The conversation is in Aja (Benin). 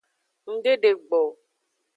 Ng de degbo o.